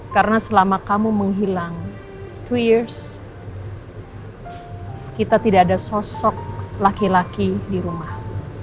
karena selama kamu menghilang dua tahun kita tidak ada sosok laki laki di rumah